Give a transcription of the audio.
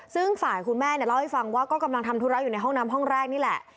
ซึ่งฝ่ายคุณแม่เนี่ยเล่าให้ฟังว่าก็กำลังทำธุระอยู่ในห้องน้ำห้องแรกนี่แหละ